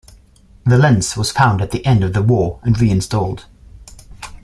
The lens was found at the end of the war and reinstalled.